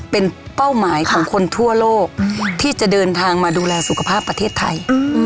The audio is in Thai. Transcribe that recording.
เป็นเป้าหมายของคนทั่วโลกที่จะเดินทางมาดูแลสุขภาพประเทศไทย